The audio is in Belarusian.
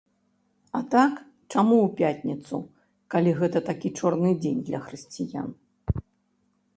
А так, чаму ў пятніцу, калі гэта такі чорны дзень для хрысціян?